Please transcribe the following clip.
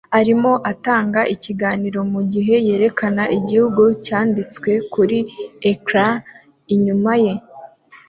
arimo atanga ikiganiro mugihe yerekana igihugu cyanditswe kuri ecran inyuma ye